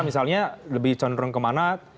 misalnya lebih cenderung kemana